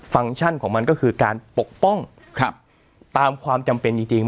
ฟังก์ชั่นของมันก็คือการปกป้องครับตามความจำเป็นจริงจริง